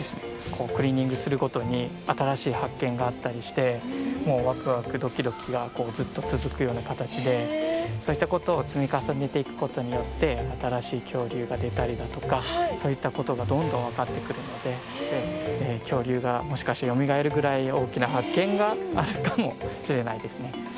クリーニングすることにあたらしいはっけんがあったりしてもうワクワクドキドキがずっとつづくようなかたちでそうしたことをつみかさねていくことによってあたらしいきょうりゅうがでたりだとかそういったことがどんどんわかってくるのできょうりゅうがもしかしてよみがえるぐらいおおきなはっけんがあるかもしれないですね。